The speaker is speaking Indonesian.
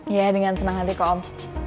iya dengan senang hati kok om